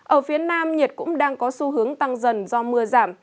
ở phía nam nhiệt cũng đang có xu hướng tăng dần do mưa giảm